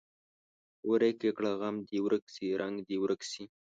ورک یې کړه غم دې ورک شي رنګ دې یې ورک شي.